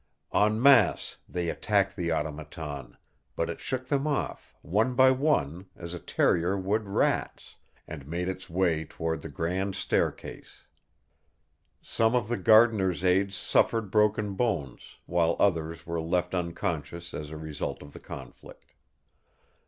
En masse they attacked the Automaton, but it shook them off, one by one, as a terrier would rats, and made its way toward the grand staircase. Some of the gardener's aids suffered broken bones, while others were left unconscious as a result of the conflict.